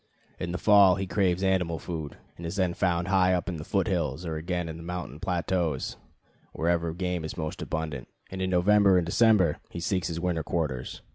In the fall he craves animal food, and is then found high up in the foot hills, or again on the mountain plateaus, wherever game is most abundant; and in November and December he seeks his winter quarters.